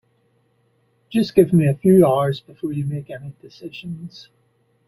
Just give me a few hours before you make any decisions.